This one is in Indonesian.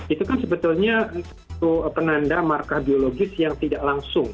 itu kan sebetulnya penanda markah biologis yang tidak langsung